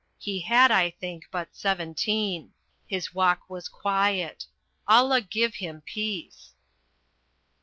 He had, I think, but seventeen. His walk was quiet. Allah give him peace."